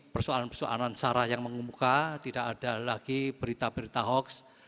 persoalan persoalan sarah yang mengemuka tidak ada lagi berita berita hoax